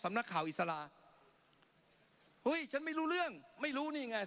นักข่าวอิสระเฮ้ยฉันไม่รู้เรื่องไม่รู้นี่ไง